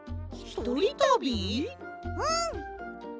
うん！